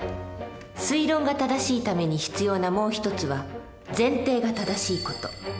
推論が正しいために必要なもう一つは前提が正しいこと。